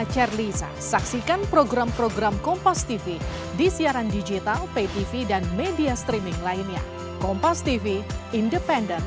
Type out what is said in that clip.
baik tidak usah diulang ulang ini